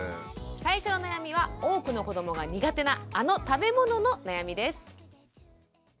最初の悩みは多くの子どもが苦手なあの食べ物の悩みです。